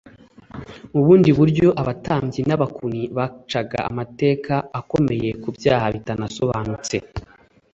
Mu bundi buryo abatambyi n'abakuni bacaga amateka akomeye ku byaha bitanasobanutse.